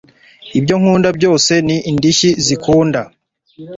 ibyo nkunda byose ni indishyi zikunda .